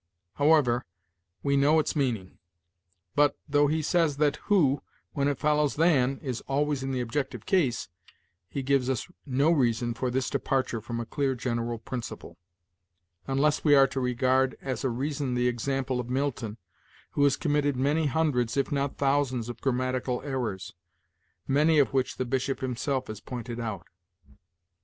However, we know its meaning; but, though he says that who, when it follows than, is always in the objective case, he gives us no reason for this departure from a clear general principle; unless we are to regard as a reason the example of Milton, who has committed many hundreds, if not thousands, of grammatical errors, many of which the Bishop himself has pointed out.